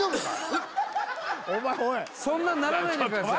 そんなんならないでください